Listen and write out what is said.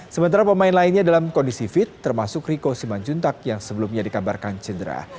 sementara pemain lainnya dalam kondisi fit termasuk riko simanjuntak yang sebelumnya dikabarkan cedera